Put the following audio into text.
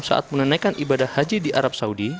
saat menunaikan ibadah haji di arab saudi